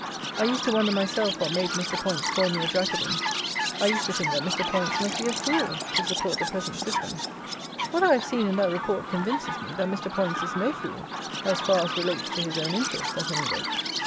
I used to wonder myself what made Mr. Poyntz call me a Jacobin. I used to think that Mr. Poyntz must be a fool to support the present system. What I have seen in that Report convinces me that Mr. Poyntz is no fool, as far as relates to his own interest, at any rate.